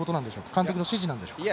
監督の指示なんでしょうか。